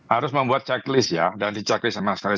harus membuat ceklis ya dan di ceklis memang sekali